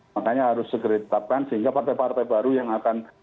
makanya harus segera ditetapkan sehingga partai partai baru yang akan